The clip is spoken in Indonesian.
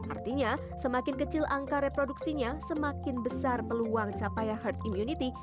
artinya semakin kecil angka reproduksinya semakin besar peluang capaian herd immunity